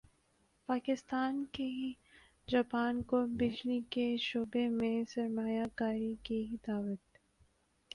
پاکستان کی جاپان کو بجلی کے شعبے میں سرمایہ کاری کی دعوت